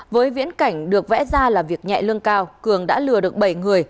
với viễn cảnh được vẽ ra là việc nhẹ lương cao cường đã lừa được bảy người